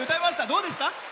どうでした？